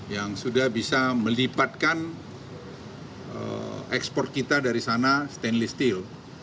yang sudah bisa melipatkan ekspor kita dari sana stainless steel